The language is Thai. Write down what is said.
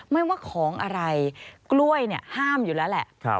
ไม่ว่าของอะไรกล้วยห้ามอยู่แล้วแหละ